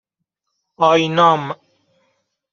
آینام